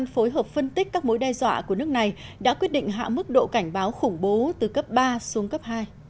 phối hợp phân tích các mối đe dọa của nước này đã quyết định hạ mức độ cảnh báo khủng bố từ cấp ba xuống cấp hai